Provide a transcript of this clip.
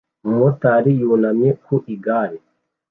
Umumotari yunamye ku igare